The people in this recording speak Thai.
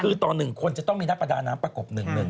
คือต่อ๑คนจะต้องมีนักประดาน้ำประกบ๑๑